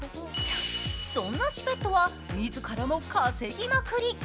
そんなシュペットは、自らも稼ぎまくり。